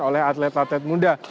oleh atlet atlet muda